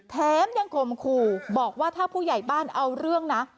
แถมยังข่มขู่บอกว่าถ้าผู้ใหญ่บ้านเอาเรื่องนะ